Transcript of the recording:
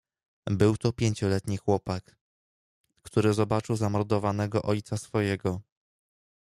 "Był to pięcioletni chłopak, który zobaczył zamordowanego ojca swojego..."